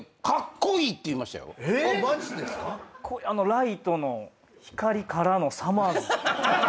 ライトの光からのさまぁずさん。